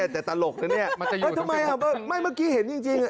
แต่ตลกเลยทำไมถูกเช่น